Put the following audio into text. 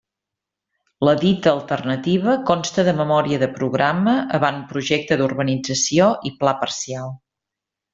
La dita alternativa consta de memòria de programa, avantprojecte d'urbanització i pla parcial.